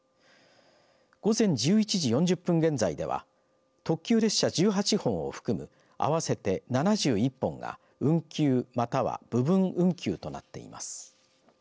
午前１１時４０分現在では特急列車１８本を含む合わせて７１本が運休または部分運休となっています。